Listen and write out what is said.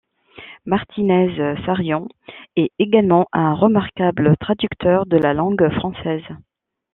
Martínez Sarrión est également un remarquable traducteur de la langue française.